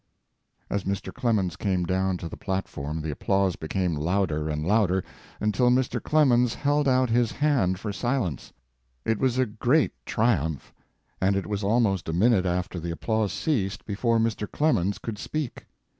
As Mr. Clemens came down to the platform the applause became louder and louder, until Mr. Clemens held out his hand for silence. It was a great triumph, and it was almost a minute after the applause ceased before Mr. Clemens could speak.